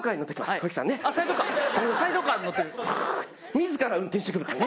自ら運転してくるからね。